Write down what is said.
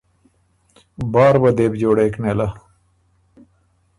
بار وه دې بو جوړېک نېله۔